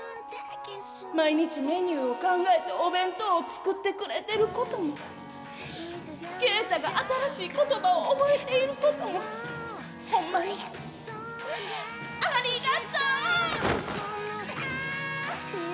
毎日メニューを考えてお弁当を作ってくれてることも、ケイタが新しいことばを覚えていることも、ほんまにありがとう！